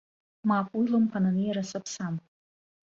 Мап, уи лымԥан анеира саԥсам.